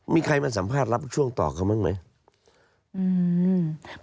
มีใครมาสัมภาษณ์รับช่วงต่อเขาบ้างไหม